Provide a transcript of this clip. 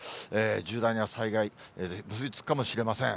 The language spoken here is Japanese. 重大な災害に結び付くかもしれません。